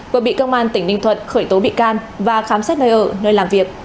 vừa bị cơ quan tỉnh ninh thuận khởi tố bị can và khám xét nơi ở nơi làm việc